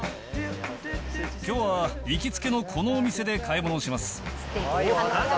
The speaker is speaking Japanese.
きょうは行きつけのこのお店で買い物をします。